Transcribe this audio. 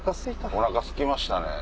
おなかすきましたね。